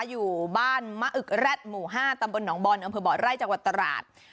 อยู่บ้านมะอึกแร็ดหมู่๕ตำบลหนองบอลอำเภอบ่อไร่จังหวัดตราด